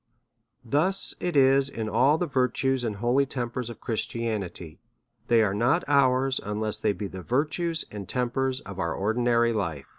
Thus it is in all the virtues and holy tempers of Christianity ; they are not ours, unless they be the virtues and tempers of our ordinary life.